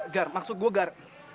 gar maksud gua gar